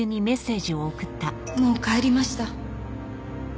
「もう帰りました」